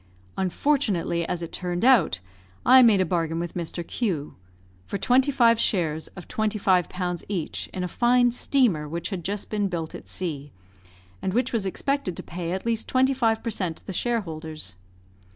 Unfortunately, as it turned out, I made a bargain with Mr. Q for twenty five shares, of 25 pounds each, in a fine steamer, which had just been built at C , and which was expected to pay at least twenty five per cent. to the shareholders.